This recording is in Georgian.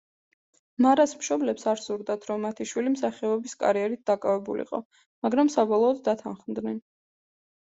მარას მშობლებს არ სურდათ, რომ მათი შვილი მსახიობის კარიერით დაკავებულიყო, მაგრამ საბოლოოდ დათანხმდნენ.